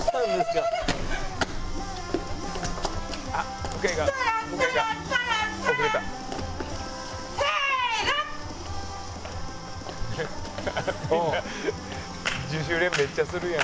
みんな自主練めっちゃするやん。